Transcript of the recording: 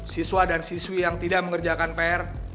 siswa dan siswi yang tidak mengerjakan pr